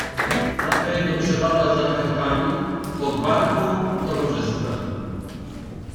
Matka jego przepada za kartami, pogwarką i towarzystwem.